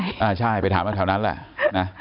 เรียนที่ไหนอ่าใช่ไปถามกันแถวนั้นแหละ